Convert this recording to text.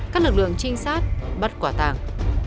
các lực lượng trinh sát bắt quả tàng